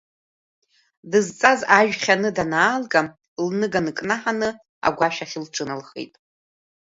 Дызҵаз ажә хьаны данаалга, лныга нкнаҳаны агәашә ахь лҿыналхеит.